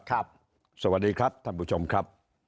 สวัสดีครับท่านผู้ชมครับ